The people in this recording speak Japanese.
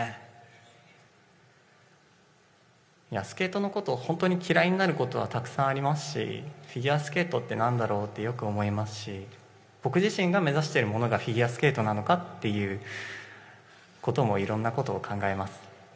スケートのことを本当に嫌いになることは、たくさんありますし、フィギュアスケートってなんだろうとよく思いますし、僕自身が目指しているものがフィギュアスケートなのかということもいろんなことを考えます。